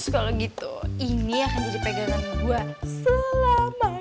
kalau gitu ini akan jadi pegangan gue selama